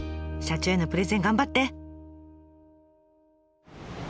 社長へのプレゼン頑張って！